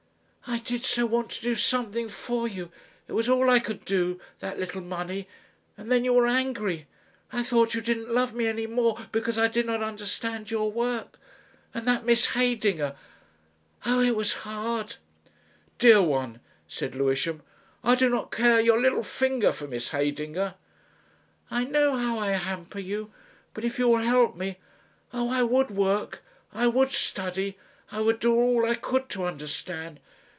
"I did so want to do something for you. It was all I could do that little money. And then you were angry. I thought you didn't love me any more because I did not understand your work.... And that Miss Heydinger Oh! it was hard." "Dear one," said Lewisham, "I do not care your little finger for Miss Heydinger." "I know how I hamper you. But if you will help me. Oh! I would work, I would study. I would do all I could to understand."